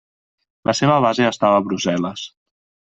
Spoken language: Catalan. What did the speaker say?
La seva base estava a Brussel·les.